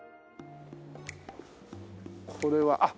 これはあっ！